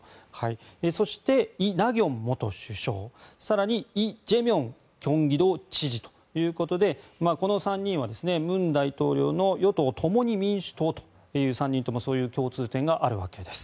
そして、イ・ナギョン元首相更にイ・ジェミョン京畿道知事ということでこの３人は文大統領の与党・共に民主党という３人ともそういう共通点があるわけです。